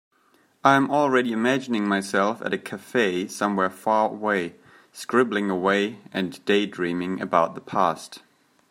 I am already imagining myself at a cafe somewhere far away, scribbling away and daydreaming about the past.